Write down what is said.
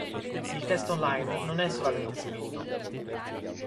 Il testo online non è solamente scritto.